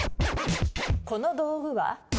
この道具は？